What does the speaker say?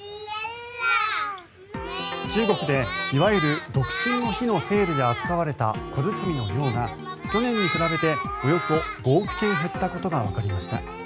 中国でいわゆる独身の日のセールで扱われた小包の量が、去年に比べておよそ５億件減ったことがわかりました。